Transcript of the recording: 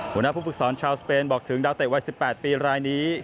หัวหน้าผู้ฝึกสอนชาวสเปนบอกถึงดาวเตะวัย๑๘ปีรายนี้